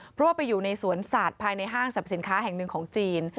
เพราะว่าไปอยู่ในสวนสัตว์ภายในห้างสรรพสินค้าแห่งหนึ่งของจีน